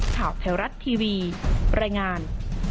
ข่าวแถวรัฐทีวีรายงาน